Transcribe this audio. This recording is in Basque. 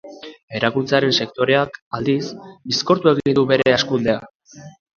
Eraikuntzaren sektoreak, aldiz, bizkortu egin du bere hazkundea.